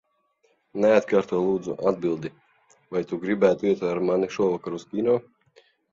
Neatkārto, lūdzu, atbildi. Vai tu gribētu iet ar mani šovakar uz kino?